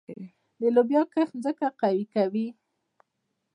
د لوبیا کښت ځمکه قوي کوي.